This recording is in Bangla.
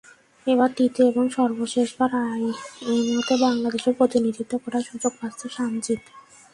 এবার তৃতীয় এবং সর্বশেষবার আইএমওতে বাংলাদেশের প্রতিনিধিত্ব করার সুযোগ পাচ্ছে সানজিদ।